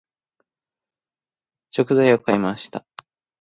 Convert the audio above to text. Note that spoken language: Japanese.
食材を買いました。